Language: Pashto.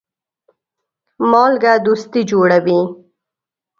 مالګه دوستي جوړوي.